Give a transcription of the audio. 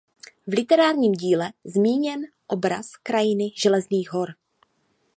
V literárním díle zmíněn obraz krajiny Železných hor.